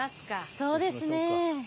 そうですね。